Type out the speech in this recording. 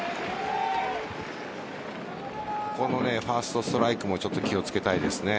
このファーストストライクも気をつけたいですね。